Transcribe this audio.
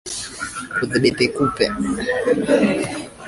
Kudhibiti kupe